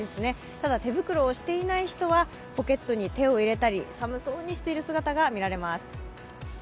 ただ手袋をしていない人はポケットに手を入れたり寒そうにしている姿が見られます。